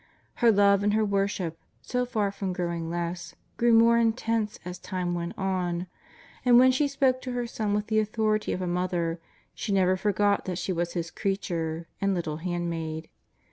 Her love and her worship, so far from growing less, grew more intense as time went on. And, when she spoke to her Son with the authority of a mother, she never forgot that she was His creature and little handmaid.